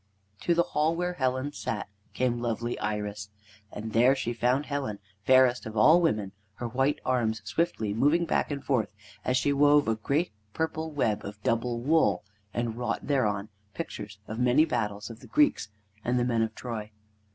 To the hall where Helen sat came lovely Iris. And there she found Helen, fairest of women, her white arms swiftly moving back and forward as she wove a great purple web of double wool, and wrought thereon pictures of many battles of the Greeks and the men of Troy.